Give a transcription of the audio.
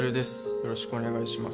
よろしくお願いします